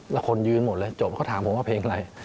แล้วคนยืนหมดเลยจบเขาถามผมว่าเพลงอะไร